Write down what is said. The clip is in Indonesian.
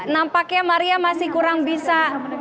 nampaknya maria masih kurang bisa